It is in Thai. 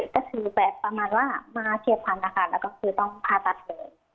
ก็คือแบบประมาณว่ามาเฉียบพันธุ์นะคะแล้วก็คือต้องผ่าตัดเลย